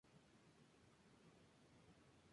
Sabe acompañar bandadas mixtas.